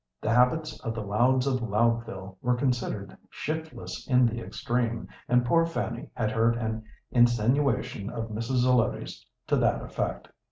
The habits of the Louds of Loudville were considered shiftless in the extreme, and poor Fanny had heard an insinuation of Mrs. Zelotes to that effect.